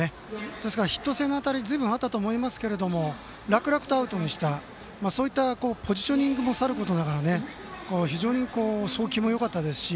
ですから、ヒット性の当たりずいぶんあったと思いますけど楽々とアウトにしたポジショニングもさることながら非常に、送球もよかったですし